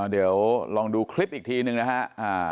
เดี๋ยวลองดูคลิปอีกทีหนึ่งนะฮะ